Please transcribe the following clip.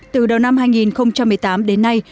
từ đầu năm hai nghìn một mươi tám đến nay